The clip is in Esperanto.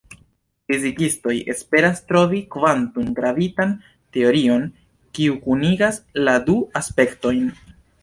Fizikistoj esperas trovi kvantum-gravitan teorion, kiu kunigas la du aspektojn.